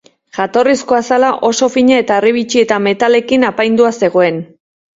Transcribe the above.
Jatorrizko azala oso fina eta harribitxi eta metalekin apaindua zegoen.